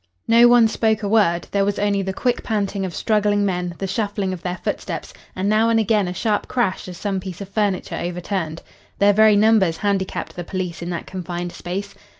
No one spoke a word; there was only the quick panting of struggling men, the shuffling of their footsteps, and now and again a sharp crash as some piece of furniture overturned. Their very numbers handicapped the police in that confined space.